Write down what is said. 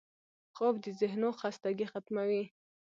خوب د ذهنو خستګي ختموي